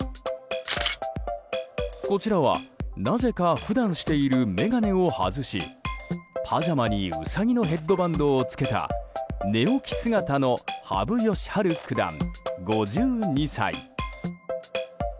こちらはなぜか普段している眼鏡を外しパジャマにウサギのヘッドバンドを付けた寝起き姿の羽生善治九段、５２歳。